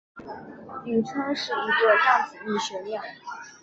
宇称是一个量子力学量。